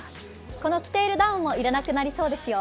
この着ているダウンも要らなくなりそうですよ。